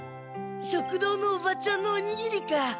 食堂のおばちゃんのおにぎりか。